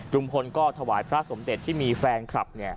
ลุงพลก็ถวายพระสมเด็จที่มีแฟนคลับ